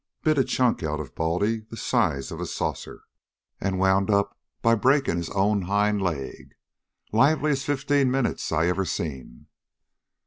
Bit a chunk out of Baldy the size of a saucer, an' wound up by breakin' his own hind leg. Liveliest fifteen minutes I ever seen."